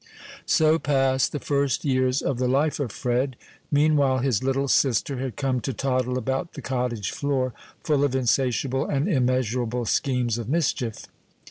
So passed the first years of the life of Fred. Meanwhile his little sister had come to toddle about the cottage floor, full of insatiable and immeasurable schemes of mischief.